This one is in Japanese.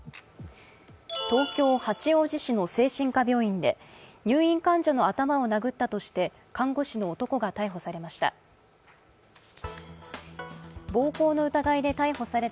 東京・八王子市の精神科病院で入院患者の頭を殴ったとして看護師の男が逮捕されました。